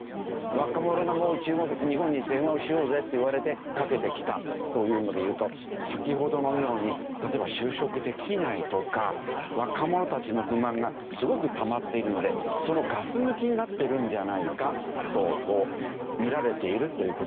若者が日本に電話をしようぜって言われてかけてきたというのでいうと先ほどのように例えば就職できないとか若者たちの不満がすごくたまっているのでそのガス抜きになってるんじゃないかと見られているという事ですね。